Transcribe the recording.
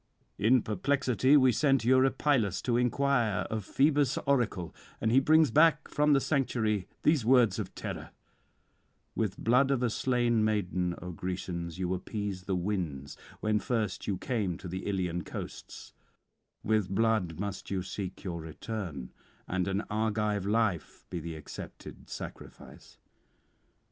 In perplexity we send Eurypylus to inquire of Phoebus' oracle; and he brings back from the sanctuary these words of terror: _With blood of a slain maiden, O Grecians, you appeased the winds when first you came to the Ilian coasts; with blood must you seek your return, and an Argive life be the accepted sacrifice.